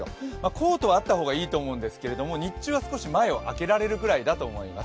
コートはあった方がいいと思うんですけれども、日中は少し、前を開けられるぐらいだと思います。